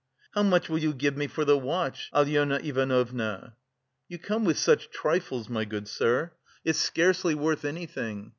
"How much will you give me for the watch, Alyona Ivanovna?" "You come with such trifles, my good sir, it's scarcely worth anything.